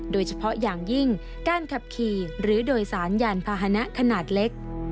โดยเฉพาะอย่างยิ่งการขับขี่หรือโดยสารยานพาหนะขนาดเล็ก